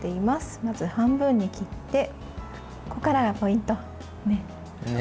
まず半分に切ってここからがポイント。